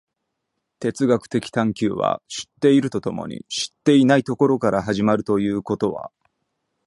哲学的探求は知っていると共に知っていないところから始まるということは、